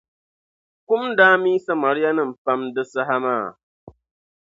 Kum daa mii Samarianim’ pam di saha maa.